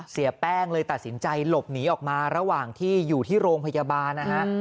เสียแป้งเลยตัดสินใจหลบหนีออกมาระหว่างที่อยู่ที่โรงพยาบาลนะฮะ